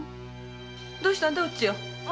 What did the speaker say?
どうしたんだいおちよ？